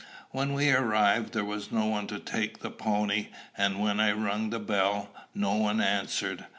When we arrived, there was no one to take the pony; and when I rung the bell, no one answered.